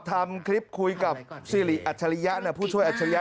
ทำคลิปคุยกับซีรีอัชริยะเนี่ยผู้ช่วยอัชริยะ